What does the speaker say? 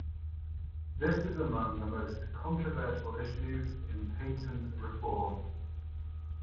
This is among the most controversial issues in patent reform.